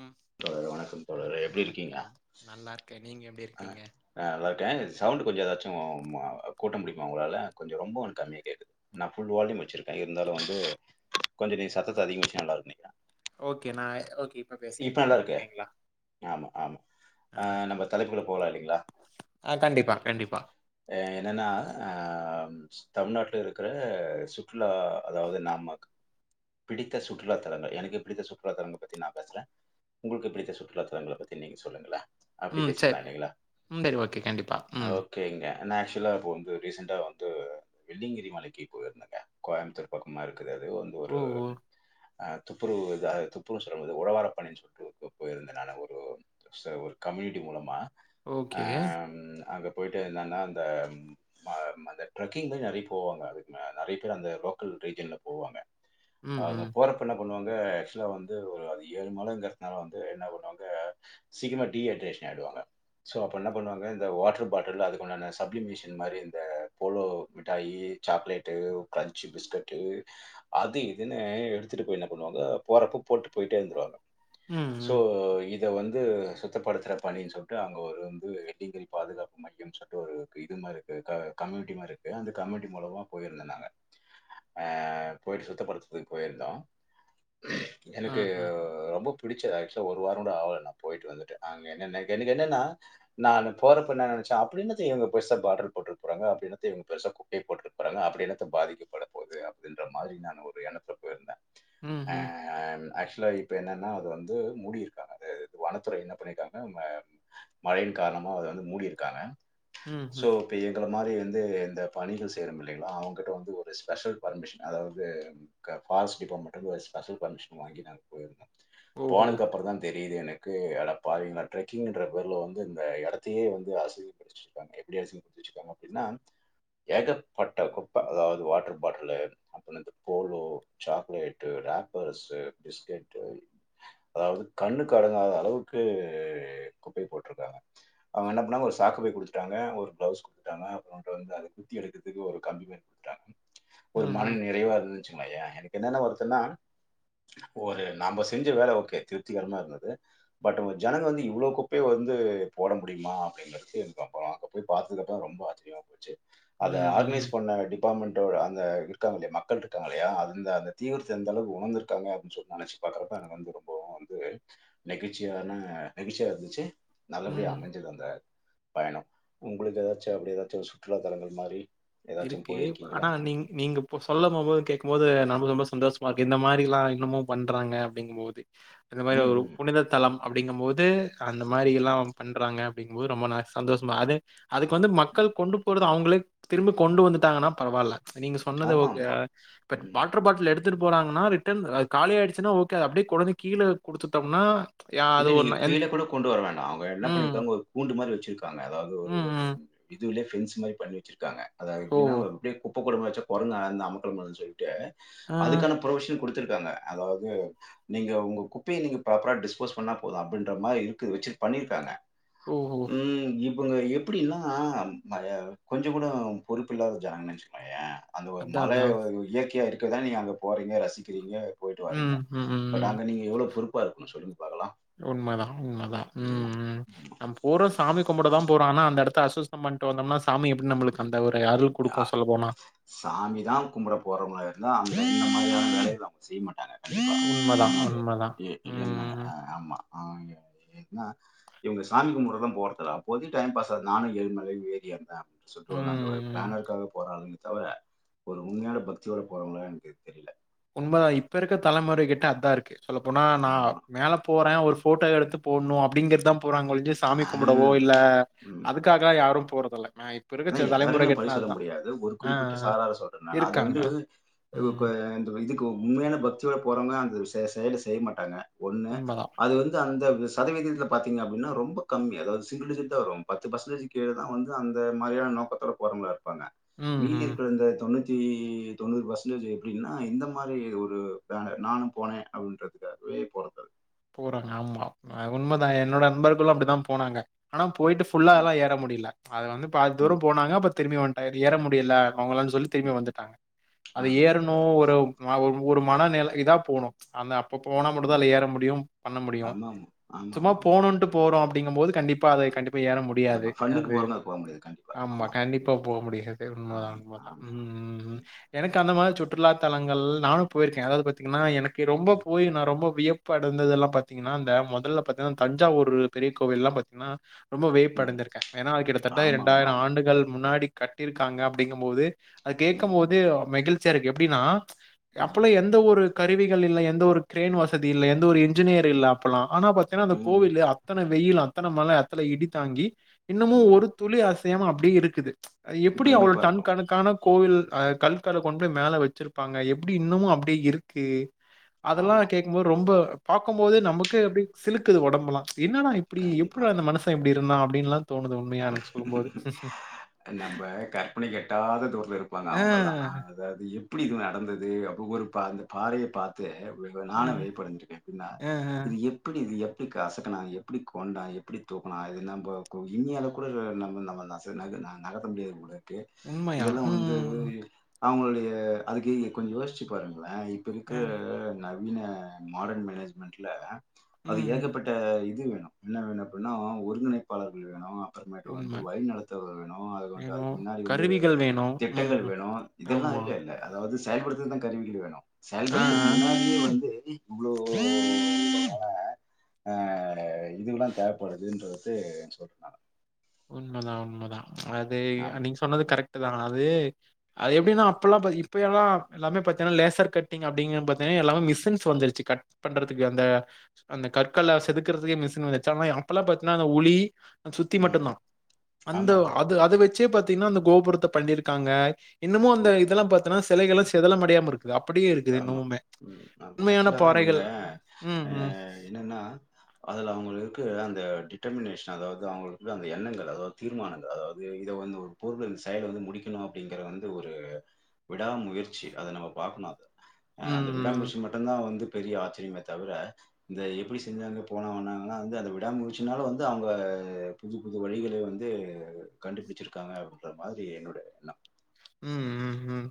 ம் தோழர் தோழர் வணக்கம் எப்டி இருக்கீங்க வணக்கம் நல்லா இருக்கே நீங்க எப்டி ஆ இருக்கீங்க ஆ நல்லாருக்க சவுண்ட் கொஞ்சொ ஏதாச்சு கூட்ட முடியுமா உங்களால கொஞ்ச ரொம்ப ஒ கம்மியா கேக்குது நா ஃபுல் வால்யூம் வச்சிருக்கே இருந்தாலும் வந்து கொஞ்சொ நீ சத்தத்தை அதிகமா வச்ச நல்லா இருக்கும் லைட்டா ஓகே நா ஓகே பேசுறே இப்ப நல்லா ம் இருக்கே ஓகேங்களா ஆமா ஆமா ஆ நம்ம தலைப்புக்குள்ள போலா இல்லைங்களா ஆ கண்டிப்பா கண்டிப்பா எ என்னன்னா ஆ தமிழ்நாட்டுல இருக்குற சுற்றுலா அதாவது நமக்கு பிடித்த சுற்றுலா தலங்கள் எனக்கு பிடித்த சுற்றுலா தலங்கள் பத்தி நா பேசுறே உங்களுக்கு பிடித்த சுற்றுலாத்தலங்களப் பத்தி நீங்க சொல்லுங்களே அப்டி ம் பேசிக்கலா சரி இல்லைங்களா ம் சரி ஓகே கண்டிப்பா ஆ ம் ஓகே ஓகேங்க நான் ஆக்சுவலா இப்போ வந்து ரீசண்டா வந்து வெள்ளிங்கிரி மலைக்கு போயிருந்தேங்க கோயம்புத்தூர் பக்கமா இருக்குறது வந்து ஒரு ஓ ஓ ஆ துப்புரவு அது துப்புரவு சொல்ல முடியாது உழவார பணின்னு சொல்லிட்டு போயிருந்தே நானு ஒரு ச ஒரு கம்யூனிட்டி மூலமா ஆ ஓகே அங்க போயிட்டு என்னன்னா அந்த ம் ஆ அந்த ட்ரெக்கிங்ல நெறைய போவாங்க அதுக்கு நிறைய பேர் அந்த லோக்கல் ட்ரைஜன்ல போவாங்க ம் ஆக ம் போறப் ப்ப என்ன பண்ணுவாங்க ஆக்சுவலா வந்து ஒரு அது ஏழு மாலங்கிறதுனால வந்து என்ன பண்ணுவாங்க சிக்கரமா டீஹைட்ரேஷன் ஆயடுவாங்க சோ அப்ப என்ன பண்ணுவாங்க இந்த வாட்டரு பாட்டல்ல அதுக்குண்டான சப்லிமிஷன் மாதிரி இந்த போலோ மிட்டாயி சாக்லேட்டு கிரஞ்சு பிஸ்கட்டு் அது இதுன்னு எடுத்துட்டு போய் என்ன பண்ணுவாங்க போறப்ப போட்டு போயிட்டே இருந்துருவாங்க ம் சோ ம் இத் இத வந்து சுத்தப்படுத்துற பணின்னு சொல்லிட்டு அங்க ஒரு வந்து வெள்ளிங்கிரி பாதுகாப்பு மையம் சொல்ட்டு ஒரு இது மாரி இருக்கு அ கம்யூனிடி மாரி இருக்கு அந்த கம்யூனிடி மூலமா போயிருந்த நாங்க ஆ போயிட்டு சுத்தப்படுத்துறதுக்கு போயிருந்தோ ஆ எனக்கு ஆ ரொம்ப பிடிச்ச ஆக்சுவலா ஒரு வாரோ கூட ஆகல நா போயிட்டு வந்து அங்க என்னன்னா எனக்கு என்னன்னா நானு போறப்ப என்னா நெனச்சே அப்படி என்னத்த இவங்க பெரிசா பார்டர் போட்டுற போறாங்க அப்படி என்னத்த பெருசா இவங்க குப்பைய போட்டுற போறாங்க அப்படி என்னத்த பாதிக்கப்பட போது அப்டி இந்த மாதிரி நா ஒரு என்னத்துல போயிருந்தே ம் ஆ ம் ஆக்சுவலா இப்ப என்னென்னா அது வந்து மூடியிருக்காங்க அது வனத்துறை என்ன பண்ணிருக்காங்க மழையின் காரணமா அத வந்து மூடிருக்காங்க ம் சோ ம் இப்ப எங்கள மாரி வந்து இந்த பணிகள் செய்றம் இல்லைங்களா அவங்கட்ட வந்து ஒரு ஸ்பெஷல் பர்மிஷன் அதாவது பாரஸ்ட் டிபார்டமென்ட் ஒரு ஸ்பெஷல் பர்மிஷன் வாங்கி நாங்க போயிருந்தோ ஓஹோ போனதுக்கு அப்பறந்தா தெரியுது என க்கு அட பாவிங்கள ட்ரக்கிங்ன்ற பேர்ல வந்து இந்த எடத்தையே வந்து அசி ச்சிருக்காங்க எப்படி அசிங்கபடுத்தி வச்சுருக்காங்க அப்படின்னா ஏகப்பட்ட குப்ப அதாவது வாட்டர் பாட்டிலு அப்பறோ இந்த போலோ சாக்லேட்டு ராப்பர்ஸ் பிஸ்கட்டு அதாவது கண்ணுக்கு அடங்காத அளவுக்கு குப்பைய போட்ருக்காங்க அவங்க என்ன பண்ணாங்க ஒரு சாக்கு பை குடுத்துட்டாங்க ஒரு கிளவுஸ் குடுத்துட்டாங்க அப்பறோ வந்து அத குத்தி எடுக்கறதுக்கு ஒரு கம்பி மாரி குடுத்துட்டாங்க ஒரு ம் மன ம் நிறைவா இருந்ததுன்வெச்சுங்களோ எனக்கு என்னென்ன வருத்தன்னா ஒரு நாம செஞ்ச வேல ஓகே திருப்திகரமா இருந்தது பட் ஜனங்க வந்து இவ்வளோ குப்பய வந்து போட முடியுமா அப்படிங்கிறது அப்பறோ அங்க போய் பாத்ததுக்கப்பறோ ரொம்ப ஆச்சரியமா போச்சு அத ஆர்கனைஸ் ம் பண்ண டி டிபாட்மெண்ட் அந்த இருக்காங்க மக்கள் இருக்காங்க இல்லையா அந்த அந்த தீவிரத்த எந்த அளவு உணர்ந்து இருக்காங்க அப்டினு சொல்லிட் நனச்சட்டு பாக்குறப்பா எனக்கு வந்து ரொம்பவு வந்து நெகழ்ச்சியான நெழ்ச்சியா இருந்துச்சு ம் நல்லபடியா ம் அமஞ்சது அந்த பயணம் உங்களுக்கு ஏதாச்சு அப்டி ஏதாச்சு சுற்றுலா தலங்கள் மாரி ஏதாச்சும் இருக்கு போயிருக்கீங்களா? ஆனா நீங் நீங்க இப்போ சொல்ல போம் போது கேட்கும் போது நம்ப ரொம்ப சந்தோஷமா இருக்கு இந்த மாரிலாம் இன்னமும் பண்றாங்க அப்டிங்கும் போது அந்த மாரி ம், ஒரு ம், புனித தலம் அப்டிங்கும் போது அந்த மாரி ம், எல்லாம் பண்றாங்க அப்டிங்போது ரொம்ப சந்தோஷமா அது அதுக்கு வந்து ம். மக்கள் கொண்டு போறது அவங்ளே திரும்ப கொண்டு வந்துட்டாங்கன்னா பரவாயில்ல நீங்க சொன்னது ஓகே ஆமாமா. பட் ம். வாட்டரு பாட்டில் எடுத் துட்டு போறாங்கன்னா ரிட்டன் காலி ஆயிச்சுன்னா ஓகே அப்படியே கொழந்த கீழே குடுத்துட்டோம்னா யா இல்ல அது நீங்க ஒண்ணு என் கீழே கூட கொண்டு வர வேண்டாம் அவங்க என்ன ம். பண்ணிருக்காங்க ஒரு கூண்டு மாரி வெச்சிருக்க ங்கா அதாவது ம், ஒரு ம். இது உள்ளே பிண்ஸ் மாரி பண்ணி வெச்சிருக்காங்க அத ஓ! எப்படினா அப்டியே கூப்ப குடும்ப வச்ச குரங்கு அந்த அமக்கலம் பண்ணு சொல்லிட்டு ஆ. அதுக்கான பிர்மிஷன் கொடுத்திருக்காங்க அதாவது நீங்க உங்க குப்பையை நீங்க ப்ராப்பரா டிஸ் போஸ் பண்ணா போதும் அப்டின்ற மாரி இருக்கு வெச்சு பண்ணிருக்காங்க ஓஹோ! ம் இவங்க எப்டின்னா கொஞ்சம் கூட பொறுப்பு இல்லாத ஜனங்கன்னு நெனச்சுக்கோயே அந்த ஒரு அதான் மலை அதான். இயற்கையா இருக்கதான் நீங்க அங்க போறீங்க ரசிக்கிறீங்க போயிட்டு வர்றீங்க ம். ம், ம், பட் ம். அங்க நீங்க எவ்ளோ பொறுப்ப இருக்கன்னு சொல்லுங்க பாக்கலாம் உண்ம தான் உண்மதான் ம் ம் நம் போறோம் சாமி கும்பிடதான் போறோம் ஆனா அந்தடத்த அசுஸ்த்தம் பண்ணிட்டு வந்தம்னா சாமி எப்படி நம்மளுக்கு அந்த ஒரு அருள் யா குடுக்கும் சொல்ல போனா சாமி தான் கும்பிட போறோம்ல இருந்தா அங்க இந்த மாரியான வேலைக அவங்க செய்ய மாட்டாங்க உண்மதான், என்ன உண்மதான். ஏ டி என்ன ம், ஆமா ஆ ஏனா இவங்க சாமி கும்படுறது தான் போறது இல்ல அப்போதே டைம் பாஸ் ஆகுது நானும் ஏழு மலை ஏரி எருந்தேன் சுற்று வ அந்த ஒரு ம். போறாளுங்க தவிர ஒரு உண்மையான பக்தியோட போறாங்களா எனக்கு தெரியல உண்மதான் இப்ப இருக்க தலைமுறை கிட்ட அதான் இருக்கு சொல்லப்போனா நான் ஆமா. மேல போறேன் ஒரு ஃபோட்டோ எடுத்து போடணும் அப்டிங்கிறதுதான் போறாங்க ஒழிஞ்சி சாமி ஆ. கும்பிடவோ இல்ல அதுக்கு க்க யாரும் போறதல்ல நா அத எல்லாருமே பழி சொல்ல முடியாது ஒரு ஆ, குறிப்பிட்ட ஆ. சாரார சொல்றேன் நான் அது இருக்காங்க. வந்து ம். இதுக்கு கோ உண்மையான பக்தியோட போறவங்க அந்த செ செயலா செய்ய மாட்டாங்க ஒன்னு உண்மதான். அது வந்து அந்த விஸ்க் சதவீதத்தில் பாத்தீங்க அப்டின்னா ரொம்ப கம்மி அதாவது சிங்கிள் டிஜிட்டு தான் வரும் பத்து பர்சன்டேஜ் கீழ தான் வந்து அந்த இந்த மாரியான நோக்கத்தோட போறவங்களா இருப்பாங்க ம், மீதி ம். இந்த தொண்ணூத்தி தொண்ணூறு பர்சன்டேஜ் எப்டின்னா இந்த மாரி ஒரு பேன நானும் போனேன் அப்டின்றது இது அப்பவே போனது தான் போறாங்க ஆமா உண்மைதான் என்னோட நண்பர்களும் அப்டிதான் போனாங்க ஆனா போயிட்டு ம், ஃபுல்லால்லா ஏற முடியல அது வந்து பாதி ம், தூரம் போனாங்க அப்ப திரும்பி வந் ஏற முடியல அவங்கள்னு சொல்லி திரும்பி ம். வந்துட்டாங்க அது அதான் அதான் ஏறணும் ஒரு ஒரு மன நில இதா போணும் அந்த அப்ப போனா மட்டும் அதான். தான் ஏற முடியும் பண்ண முடியும் ஆமாமா. சும்மா ஆமாமாமா. ஆமா. ஆமா போனுன்ட்டு போறோம் அப்டிங்கும் போது கண்டிப்பா அதை கண்டிப்பா ஏற முடி முடியாது ஆமா ஆமா ஃபன்னுக்கு அது பொறந்தா போக முடியாது. கண்டிப்பா. ஆமா ஆமாமா. கண்டிப்பா போ முடியது உண்ம தான் ஆம், உண்ம தான் ஆம், ம் ஆம். ம் எனக்கு அந்த மாரி சுற்றுலா தலங்கள் நானும் போயிருக்கேன் அதாவது பாத்தீங்கன்னா எனக்கு ரொம்ப ம், போய் நான் ரொம்ப விய நடந்ததெல்லாம் பாத்தீங்கன்னா இந்த முதல்ல பாத்தீங்கன்னா தஞ்சாவூர் பெரிய கோவில் எல்லாம் பாத்தீங்கன்னா ரொம்போ ம். வேயபடந்திருக்கேன் ஏன்னா அது கிட்டத்தட்ட இரண்டாயிரம் ஆமாமாம். ஆண்டுகள் முன்னாடி கட்டியிருக்காங்க அப்டிங்கும் போது அது கேட்கும் ம், போதோ மெகிழ்ச்சியா இருக்கு எப்டின்னா ம், அப்பல்லா எந்த ஒரு கருவிகள் இல்ல எந்த ஒரு கிரேன் வசதி இல்ல எந்த ஒரு இன்ஜினியர் இல்ல அப்பல்லா ஆனா பாத்தீனா அந்த ம், கோவிலு அத்தன வெயிலு அத்தன மழ அத்தல இடி தாங்கி இன்னமு ம். ஒரு துளி அசையமா அப்டியே இருக்குது எப்புடி அவ்ளோ பிரமிப்பா டன் இருக்கும். கணக்கான கோவில் அ கல்கள கொண்டு போய் மேல வெச்சிருப்பாங்க எப்டி இன்னமு அப்டியே இருக்கு அதெல்லா ஆமா. கேட்கும் போது ரொம்ப பாக்கும் போது நமக்கு அப்டி சிலுக்குது ஒடம்பெல்லா என்னடா இது அப்டி கண்டிப்பா. எப்புட்றா இந்த மனுச இப்டி இருந்த அப்டின்லா தோணுது உண்மையா எனக்கு சொல்லும்போது. நம்ப கற்பனைக்கு எட்டாத தூரத்துல இருப்பாங்க ஆ, அவுங்கல்லா அ அதாது எப்புடி இது நடந்தது அப்போ ஒரு அந்த பாறைய பாத் இத இப்ப இப்ப அ, நானு வியப்டைஞ்சிருக்க எப்டின்னா அ, அ. இது எப் எப்புடி இது எப்புடி கசக்கனா எப்புடி கொண்டா எப்புடி தூக்கனா இது நம்போ இம்மி அளவு கூட நம்ம நம்ம அந்த நச நக நகத்த முடியாது போல இருக்கு உண்மையா? இதெல்லா வந்து ம். இ அவுங்களுடைய அதுக்கு கொஞ்சோ யோசிச்சி பாருங்ளே இப்ப அ, இருக்கற நவீன மாடன் மேனேஜ்மென்ட்ல அது ம். ஏகப்பட்ட இது வேணு என்ன வேணு அப்டின்னா ஒருங்கிணைப்பாளர்கள் வேணு அப்புறமேட்டு உண்ம. வந்து வழி நடத்த வேணு அது வந்துட்டு அதுக்கு வேணும். முன்னாடி வந்து கருவிகள் வேணும். திட்டங்கள் ம். வேணு இதெல்லா ஆமா. இருக்கு இல்ல அதாவது செயல்படுத்துறதுக்கு தா கருவிகள் வேணு ஆ, ஆ. செயல்படுத்தருத்துக்கு முன்னாடியே வந்து இ்வ்ளோ [unintelligible] ஆ இதுகுல்லா தேவைப்படுதுன்றது சொல்லிட்டு சொல்லற நா உண்மதா உண்மதா அது ஆமா. நீங்க சொன்னது கரெக்ட் தா அது அது எப்டின்னா அப்பெல்லா பாத் இப்பயெல்லா எல்லாமே பாத்தீங்கன்னா லேசர் கட்டிங் அப்டிங்கனு பாத்தீங்கன்னா எல்லாமே மிஷின்ஸ் வந்துருச்சு கட் பண்றதுக்கு அந்த அந்த கற்கள்லா செதுக்கறதுக்கே மிஷின் வந்துருச்சு ஆனா அப்பல்லா பாத்தீகன்னா அந்த உளி சுத்தி ம். மட்டுந்தா அந்த ஆமா, ஆமா, அது அத வெச்சே பாத்தீங்கன்னா அந்த கோபுரத்த பண்ணிருக்காங்க இன்னமு அந்த ஆமா, இதெல்லா பாத் பத்னா சிலைகள்லா செதலாம் அடியாம இருக்கு இது அப்படியே இருக்கு ஆமா ம் ஆமா ஆக்சுவலா நீங்க பாறைகள். ம், அ ம். என்னன்னா அதுல அவுங்களுக்கு அந்த டிட்டெர்மினேஷன் அதாவது அவுங்களுக்கு அந்த எண்ணங்கள் அதாவது தீர்மானங்கள் அதாவது இத வந்து ஒரு பொருள் இந்த செயல வந்து முடிக்கணு அப்டிங்கற வந்து ஒரு விடா முயற்சி அத நம்ம பாக்கணு அத அ ம், அந்த விடாம ம். முயற்சி மட்டும்தா வந்து பெரிய ஆச்சரியமே தவிர இந்த எப்படி செஞ்சாங்க போனா வான்னாங்கன்னா வந்து அந்த விடாம முயச்சுனால வந்து அவுங்க புது புது வழிகள வந்து கண்டுபிடிச்சிருக்காங்க அப்டின்ற மாதிரி என்னோட எண்ணோ ம் ம் ம்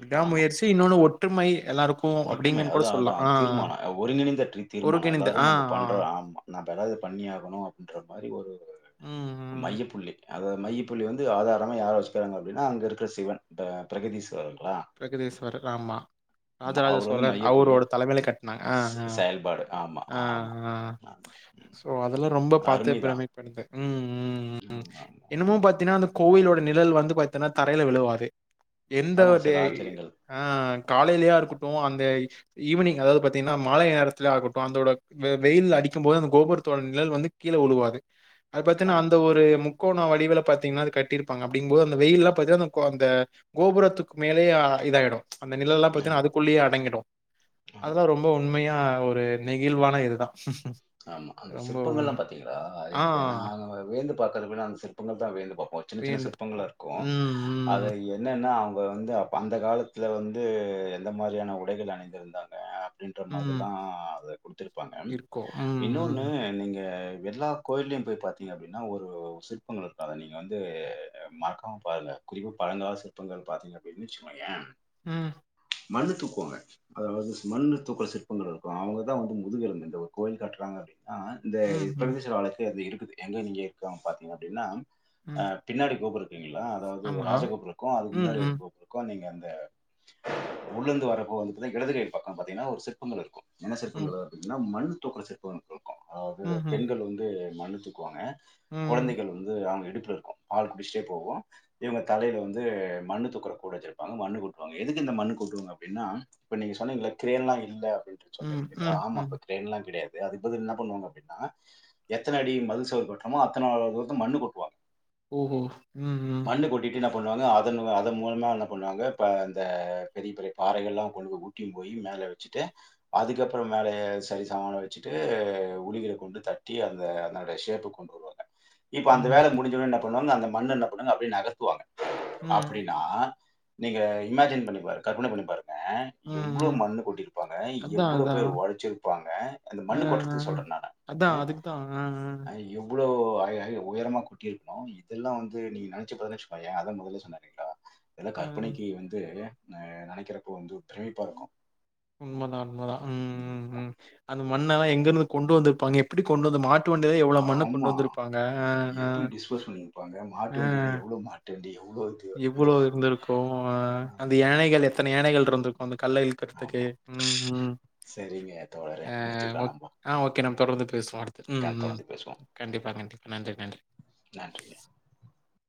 விடா ஆமா. முயற்சி இன்னொன்னு ஒற்றுமை எல்லாருக்கு ஒற்றுமை அப்டிங்கன்னு கூட அதான் சொல்லலா அதான் ஆ ஆ தீர்மானம். ஒருங்கிணைந்த ட்ரி தீர்மானம். ஒருங்கிணைந்து ஆ எல்லாரும் நம்ம ஆஆ பண்றோம் ஆமா. நம்ம ஏதாவது பண்ணியே ஆகணு அப்டின்ற மாரி ஒரு ம் ம் மைய புள்ளி அத மையப்புள்ளி வந்து ஆதாரமா யார வெச்சுக்கிறாங்க அப்டின்னா அங்க இருக்கற சிவன் பிரகதீஸ்வரர்ங்ளா பிரகதீஸ்வரர் ஆமா ராஜ ராஜ அவரு வந்து சோழன் மையப்புள்ளி அவுரோட தலைமையில கட்டினாங்க ஆ ஸ் ஆ செயல்பாடு. ஆமா, ஆ ஆமா, ஆ ஆமா. ம். சோ அதெல்லா ரொம்ப பாத்து அருமைதான். பிரம்மிப்படஞ்சே ம் ம் ஆமா, ஆமா, இன்னமோ ஆமா. பாத்தீன்னா அந்த கோவிலோட நிழல் வந்து பாத்தினா தரையில விழுவாது எந்த ஆமா ஒரு சில ஆச்சரியங்கள். ஆ காலைலயா இருக்கட்டு அந்த ஈவ்னிங் அதாவது பாத்தீங்கன்னா மாலை நேரத்திலய இருகட்டு அந்தோட வெயில் அடிக்கும் போது அந்த கோபுரத்தோட நிழல் வந்து கீழே உழுவாது அது பாத்தீனா ஆமா, அந்த ஒரு முக் முக்கோண வடிவுல பாத்தீங்கன்னா அத கட்டிருப்பாங்க அப்டிங்கும்போது அந்த வெயில்ல பாத்தீனா அந்த கோ அந்த கோபுரத்துக்கு மேலேயு ஆ இதாயிடு அந்த நிழல்லா பாத்தீன்னா ஆமா, அதுக்குள்ளேயே அடங்கிடும் ஆமா, அதுதா ரொம்ப உண்மையா ஒரு நெகிழ்வான இதுதா ஆமா அந்த சிற்பங்கள்லா பாத்தீங்களா ஆ எனக்கு நாங்க வியந்து பாக்குறத விட அந்த சிற்பங்கள் தா வியந்து பாப்போ சின்ன சின்ன வியந்து சிற் ப்பங்கலா பார்ப்போம். இருக்கு அத ம், ம், எத் என்னென்னா அவுங்க வந்து அப்ப அந்த காலத்துல வந்து எந்த மாரியான உடைகள் அணிந்திருந்தாங்க அப்டின்ற மாதிரி ம். தா அத குடுத்திருப்பாங்க இருக்கும். இன்னொன்னு ம், நீங்க எல்லா கோயிலயு போய் பாத்தீங்க அப்டின்னா ஒரு சிற்பங்கள் இருக்கு அத நீங்க வந்து மறக்காம பாருங்க குறிப்பா பழங்கால சிற்பங்கள் பாத்தீங்க அப்டின்னு வச்சுக்கோயே ம், மண்ணு தூக்குவாங்க அதாவது மண்தூக்குற சிற்பங்கள் இருக்கு அவுங்கதா வந்து முதுகெலும்பு இந்த ஒரு கோயில் கட்டுறாங்க அப்டின்னா இந்த ம், ம், ம், பிரகதீஸ்வரர் ஆலயத்துக்கு அது இருக்குது எங்க நீங்க இருக்காங்க பாத்தீங்க அப்டின்னா அ ம். பின்னாடி கோபுரோ இருக்குங்களா அதாவது ஆமா. ராஜகோபுரோ இருக்கு அதுக்கு ம், முன்னாடி ஒரு ம், கோபுரோ இருக்கு நீங்க அந்த உள்ளர்ந்து வரப்போ வந்துட்டு தா இடீதுகை பக்கோ பாத்தீங்கன்னா ஒரு சிற்பங்கள் இருக்கு என்ன ம், சிற்பங்களு அப்டின்னா மண்ணு தூக்குற சிற்பம் இருக்கு அது ம்ஹ்ம். பெண்கள் வந்து மண்ணு தூக் தூக்குவாங்க ம், கொழந்தைகள் வந்து அவுங்க இடுப்புல இருக்கும் பால் குடிச்சிட்டே போவு இவுங்க தலையில வந்து மண்ணு தூக்குற கூட வச்சுருப்பாங்க மண்ணு கொட்டுவாங்க எதுக்கு இந்த மண்ணு கொட்டுவாங்க அப்டின்னா இப்ப நீங்க சொன்னீங்கல க்ரேன்லா இல்ல அப்டின்ட்டு சொல்றீங்க ம், இல்லைங்களா ம், ஆமா ம். அப்ப க்ரேன்லாம் கிடையாது அதுக் பதில் என்ன பண்ணுவாங்க அப்டின்னா எத்தன அடி மதுல் சுவர் கட்றோமோ அத்தன அளவுக்கு வந்து மண்ணு கொட்டுவாங்க ம் ஹீம் மண்ணு கொட்டிட் ட்டு என்ன பண்ணுவாங்க அதன் அதன் மூலமா என்ன பண்ணுவாங்க இப்ப அந்த பெரிய பெரிய பாறைகள்லா கொண்டுக்கு கூட்டின் போயி மேல வச்சுட்டு அதுக்கப்பறோ மேல ஏ சரி சமானமான வச்சுட்டு உளிகளை கொண்டு தட்டி அந்த அதனோட ஷேப்பு கொண்டு வந் துருவாங்க இப்ப அந்த ம், வேல முடிஞ்சவுடனே என்ன பண்ணுவாங்க அந்த மண்ணு என்ன பண்ணுவாங்க அப்டியே நகர்த்துவாங்க ம், அப்டின்னா நீங்க இமேஜின் பண்ணி பாரு கற்பன பண்ணி பாருங்க ம், எவ்ளோவ் ம். மண்ணு கொட்டிருப்பாங்க அதான், எவ்ளோ பேர் அதான். ஒழச்சுருப்பாங்க அந்த அ, மண்ணு அ. கொட்டுறதுக்கு சொல்றே நானு அதா அதுக்குதா ஆ ஆ அ எவ்ளோ ஐய ஐ உயரமா கொட்டியிருக்கணு இதெல்லா வந்துட் ந்துட்டு நீங்க நெனச்சு பாத்தீனா வச்சுக்கோயே அத மொதல்ல சொன்னே இல்லைங்களா இதெல்லா ஆ ஆ கற்பனைக்கி வந்து நா நெனைக்குறப்போ வந்து பிரமிப்பா இருக்கு உண்ம தான் உண்ம தா ம் ம் அ- ம் அந்த மண்ண எல்லா எங்க இருந்து வந்து கொண்டு வந்துருப்பாங்க எப்டி கொண்டு வந்து மாட் ஆமா ஆ எப்டி டிஸ்போஸ் பண்ணியிருப்பாங்க மாட்டு வண்டினா எவ்ளோ மாட்டு வண்டி எவ்ளோ இது ஐயோ இவ்ளோ இருந்துருக்கு அ அந்த யானைகள் எத்தன யானைகள் இருந்துருக்கு அந்த கல்ல எழுக் க்கற்துக்கு ஆமா ம் ம் சரிங்க தோழரே ஆ முடிச்சுக்கலாம் ஓக் நம்ம ஆ ஓகே நம்ம தொடர்ந்து பேசுவோ அடுத்து ம் க- ம் தொடர்ந்து பேசுவோம் கண்டிப்பா கண்டிப்பா நன்றி நன்றி நன்றி வே